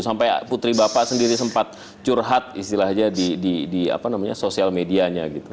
sampai putri bapak sendiri sempat curhat istilahnya di sosial medianya gitu